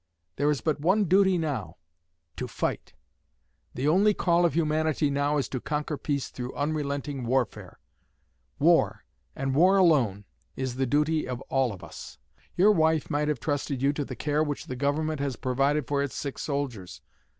There is but one duty now to fight. The only call of humanity now is to conquer peace through unrelenting warfare. War, and war alone, is the duty of all of us. Your wife might have trusted you to the care which the Government has provided for its sick soldiers.